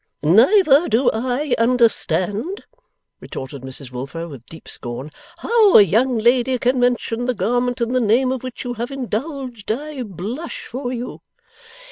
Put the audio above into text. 'Neither do I understand,' retorted Mrs Wilfer, with deep scorn, 'how a young lady can mention the garment in the name of which you have indulged. I blush for you.